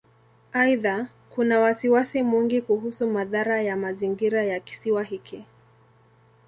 Aidha, kuna wasiwasi mwingi kuhusu madhara ya mazingira ya Kisiwa hiki.